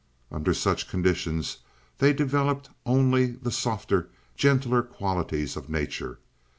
"Under such conditions they developed only the softer, gentler qualities of nature.